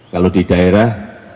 kalau di daerah